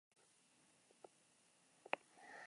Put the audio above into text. Banaka edo binaka hartu ahal izango duzue parte.